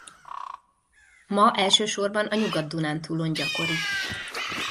Ma elsősorban a Nyugat-Dunántúlon gyakori.